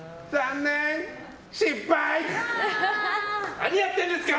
何やってんですか！